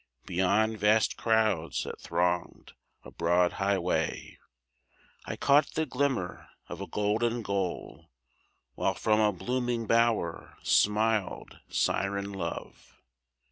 Beyond vast crowds that thronged a broad high way I caught the glimmer of a golden goal, While from a blooming bower smiled siren Love.